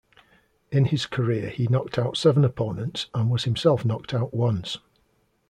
In his career he knocked out seven opponents and was himself knocked out once.